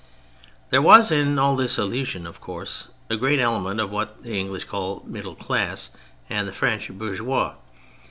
There was in all this illusion, of course, a great element of what the English call middle class, and the French bourgeois.